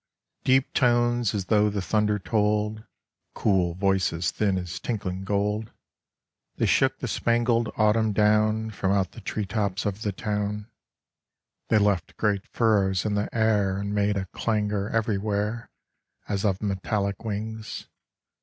Deep tones as though the thunder tolled, Cool voices thin as tinkling gold, They shook the spangled autumn down From out the tree tops of the town ; They left great furrows in the air And made a clangor everywhere As of metallic wings.